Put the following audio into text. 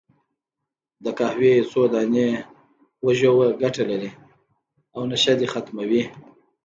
د قهوې یو څو دانې وژووه، ګټه لري، او نشه دې ختمه وي.